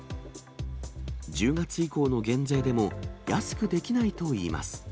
１０月以降の減税でも安くできないといいます。